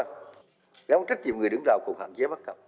các trách nhiệm người đứng rào cùng hạn chế bắt cặp